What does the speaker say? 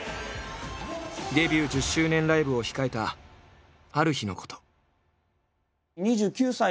デビュー１０周年ライブを控えたある日のこと。